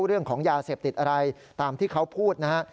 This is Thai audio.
เรื่องของยาเสพติดอะไรตามที่เขาพูดนะฮะ